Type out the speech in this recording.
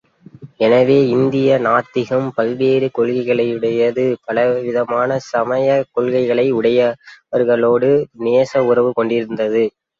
எனவே இந்திய நாத்திகம் பல்வேறு கொள்கைகளையுடைய பலவிதமான சமயக் கொள்கைகளை உடையவர்களோடு நேச உறவு கொண்டிருந்தது.